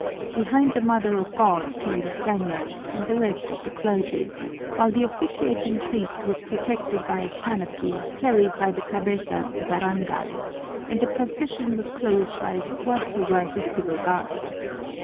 Behind the Mother of God came the Spaniards and the rest of the clergy, while the officiating priest was protected by a canopy carried by the cabezas de barangay, and the procession was closed by a squad of the worthy Civil Guard.